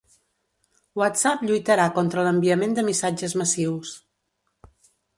WhatsApp lluitarà contra l'enviament de missatges massius